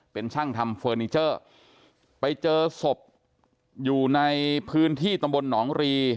เป็นช่างทำเฟอร์นิเจอร์ไปเจอศพอยู่ในพื้นที่ตำบลหนองรี